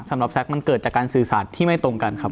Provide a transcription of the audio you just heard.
แซคมันเกิดจากการสื่อสารที่ไม่ตรงกันครับ